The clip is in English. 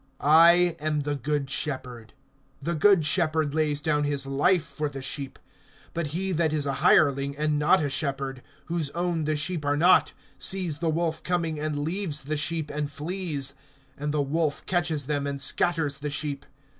(11)I am the good shepherd. The good shepherd lays down his life for the sheep. (12)But he that is a hireling, and not a shepherd, whose own the sheep are not, sees the wolf coming, and leaves the sheep, and flees; and the wolf catches them, and scatters the sheep.